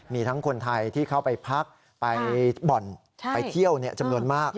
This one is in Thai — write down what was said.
มีทั้งคนไทยที่เข้าไปพักไปบ่อนไปเที่ยวจำนวนมาก